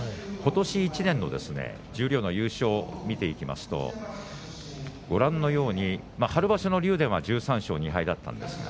今年１年の十両の優勝を見ていきますと春場所の竜電が１３勝２敗。